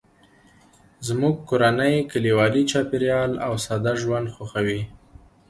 زموږ کورنۍ کلیوالي چاپیریال او ساده ژوند خوښوي